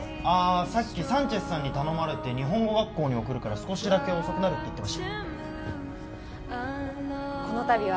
ああさっきサンチェスさんに頼まれて日本語学校に送るから少しだけ遅くなるって言ってました